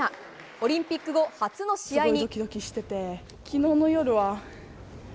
オリンピック後初の試合に。